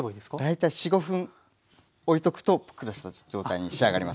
大体４５分おいとくとぷっくらした状態に仕上がります。